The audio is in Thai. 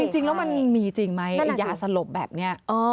จริงแล้วมันมีจริงไหมยาสลบแบบนี้